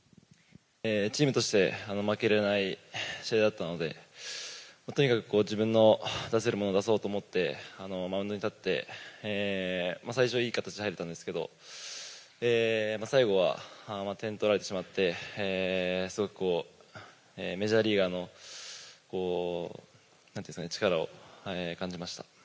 チームとして、負けれない試合だったので、とにかく自分の出せるものを出そうと思って、マウンドに立って、最初いい形で入れたんですけど、最後は点取られてしまって、すごくこう、メジャーリーガーのなんていうんですかね、力を感じました。